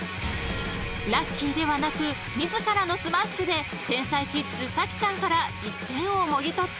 ［ラッキーではなく自らのスマッシュで天才キッズ咲ちゃんから１点をもぎ取った］